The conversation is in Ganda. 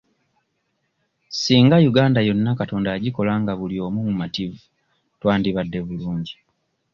Singa Uganda yonna Katonda yagikola nga buli omu mumativu twandibadde bulungi.